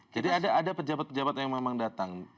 ada pejabat pejabat yang memang datang